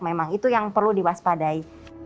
memang itu yang perlu diwaspadai